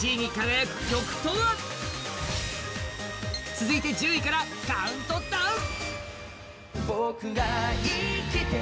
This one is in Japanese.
続いて１０位からカウントダウン！